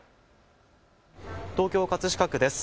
東京葛飾区です。